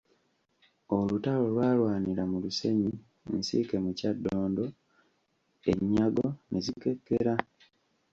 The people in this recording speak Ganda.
Olutalo lwalwanirwa mu lusenyi Nsiike mu Kyaddondo, ennyago ne zikekera.